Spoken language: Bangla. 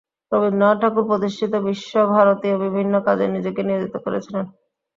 রবীন্দ্রনাথ ঠাকুর প্রতিষ্ঠিত বিশ্বভারতীর বিভিন্ন কাজে নিজেকে নিয়োজিত করেছিলেন।